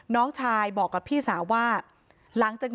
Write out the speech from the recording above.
พี่สาวบอกว่าไม่ได้ไปกดยกเลิกรับสิทธิ์นี้ทำไม